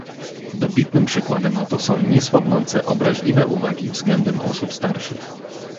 Dobitnym przykładem na to są niesłabnące obraźliwe uwagi względem osób starszych